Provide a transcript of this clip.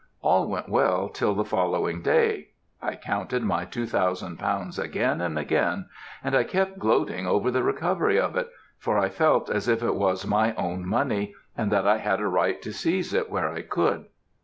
All went well till the following day. I counted my two thousand pounds again and again, and I kept gloating over the recovery of it for I felt as if it was my own money, and that I had a right to seize it where I could.